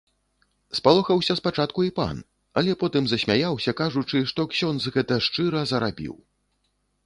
Спалохаўся спачатку і пан, але потым засмяяўся, кажучы, што ксёндз гэта шчыра зарабіў.